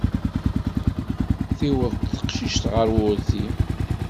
Tiweḍ teqcict ɣer wurti.